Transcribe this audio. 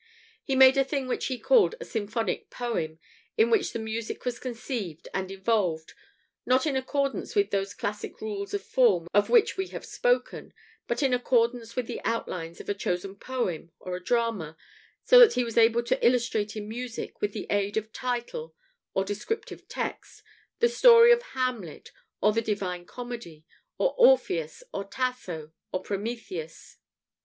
He made a thing which he called a "symphonic poem," in which the music was conceived and evolved, not in accordance with those classic rules of form of which we have spoken, but in accordance with the outlines of a chosen poem or a drama; so that he was able to illustrate in music, with the aid of title or descriptive text, the story of Hamlet or the Divine Comedy or Orpheus or Tasso or Prometheus.